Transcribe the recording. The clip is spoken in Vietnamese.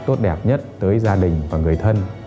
tốt đẹp nhất tới gia đình và người thân